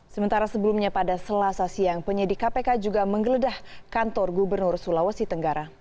sementara sebelumnya pada selasa siang penyidik kpk juga menggeledah kantor gubernur sulawesi tenggara